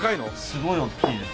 すごい大きいです。